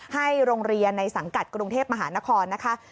ให้โรงเรียนในสังกัดกรุงเทพมหานครนะคะ